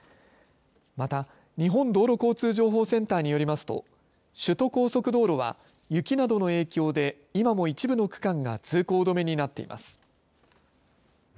また、日本道路交通情報センターによりますと首都高速道路は雪などの影響で今も一部の区間が通行止めになっています。